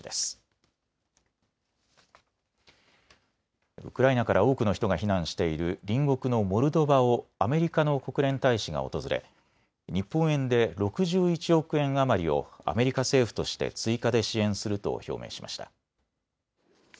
ウクライナから多くの人が避難している隣国のモルドバをアメリカの国連大使が訪れ、日本円で６１億円余りをアメリカ政府として追加で支援すると表明しました。